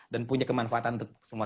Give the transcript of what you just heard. dan punya kemanfaatan untuk semua